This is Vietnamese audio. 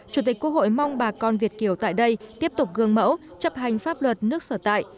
chủ tịch quốc hội mong bà con việt kiều tại đây tiếp tục gương mẫu chấp hành pháp luật nước sở tại